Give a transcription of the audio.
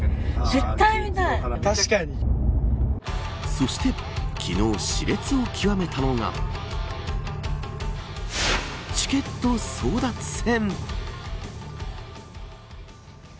そして昨日し烈を極めたのがチケット争奪戦。